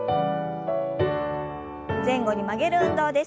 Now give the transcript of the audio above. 前後に曲げる運動です。